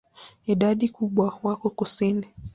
Idadi kubwa wako kusini.